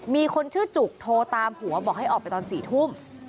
มีคนชื่อจุกโทรตามผัวบอกให้ออกไปตอน๔ทุ่ม